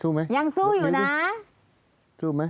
ลุงเอี่ยมอยากให้อธิบดีช่วยอะไรไหม